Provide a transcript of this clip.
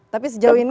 tapi sejauh ini